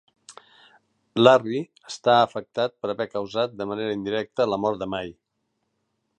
Larry està afectat per haver causat de manera indirecta la mort de May.